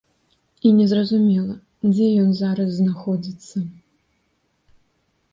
І незразумела, дзе ён зараз знаходзіцца.